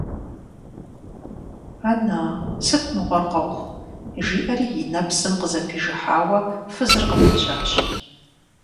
- Ана-а, сыт мыгъуэр къэухъу? - жиӀэри и нэпсым къызэпижыхьауэ фызыр къыпежьащ.